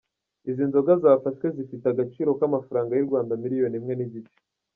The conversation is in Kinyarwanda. Izo nzoga zafashwe zifite agaciro k’amafaranga y’u Rwanda miliyoni imwe n’igice.